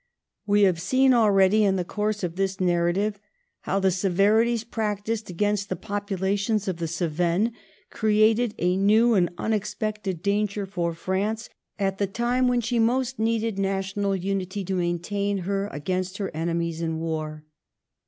We have seen already in the course of this narrative how the severities practised against the populations of the Oevennes created a new and unexpected danger for France at the time when she most needed national unity to maintain her against her enemies in war.